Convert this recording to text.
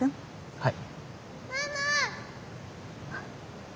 はい！